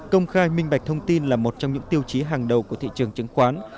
công khai minh bạch thông tin là một trong những tiêu chí hàng đầu của thị trường chứng khoán